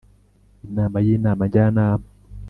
Inama y inama njyanama